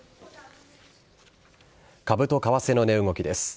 株と為替の値動きです。